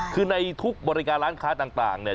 คือในทุกบริการร้านค้าต่างเนี่ย